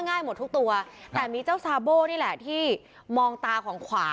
นี่นี่นี่นี่นี่นี่นี่นี่